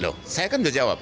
dok saya kan sudah jawab